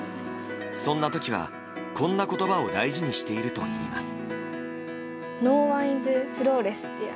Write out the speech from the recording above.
そんな時は、こんな言葉を大事にしているといいます。